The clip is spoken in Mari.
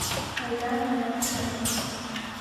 Айда, меат каена.